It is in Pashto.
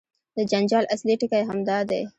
د جنجال اصلي ټکی همدا دی.